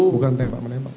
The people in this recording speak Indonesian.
bukan tembak menembak